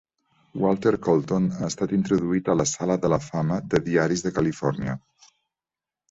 Walter Colton ha estat introduït a la Sala de la fama de diaris de Califòrnia.